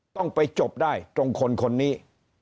ต้องไปจบได้ตรงคนคนนี้